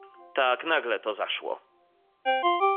"Tak nagle to zaszło."